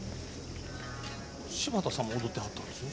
柴田さんも踊ってはったんですか？